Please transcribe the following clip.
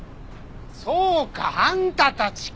そうかあんたたちか！